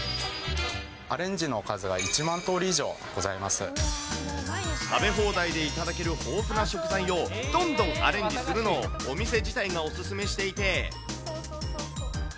アレンジの数は１万通り以上食べ放題で頂ける豊富な食材をどんどんアレンジするのを、お店自体がお勧めしていて。